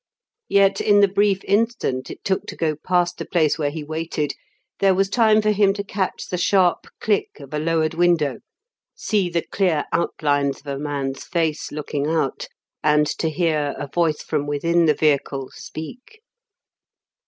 Yet in the brief instant it took to go past the place where he waited there was time for him to catch the sharp click of a lowered window, see the clear outlines of a man's face looking out, and to hear a voice from within the vehicle speak.